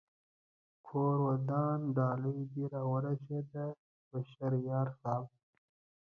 کور ودان ډالۍ دې را و رسېده بشر یار صاحب